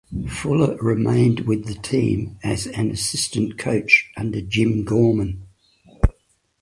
Fuller remained with the team as an assistant coach under Jim Gorman.